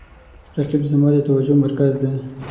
رقیب زما د توجه مرکز دی